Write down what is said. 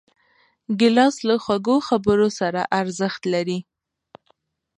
ګیلاس له خوږو خبرو سره ارزښت لري.